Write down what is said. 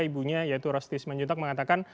ibunya yaitu rosti isman juntok mengatakan